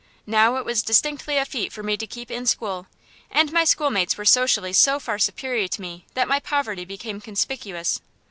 Now it was distinctly a feat for me to keep in school, and my schoolmates were socially so far superior to me that my poverty became conspicuous.